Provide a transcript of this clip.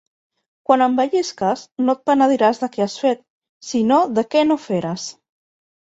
Quan envellisques, no et penediràs de què has fet, sinó de què no feres.